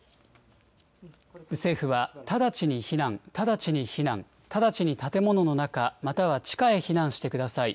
政府は直ちに避難、直ちに避難、直ちに建物の中、または地下へ避難してください。